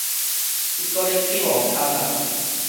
伊閣咧起無空矣